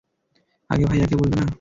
আগে ভাইয়াকে বলবে না?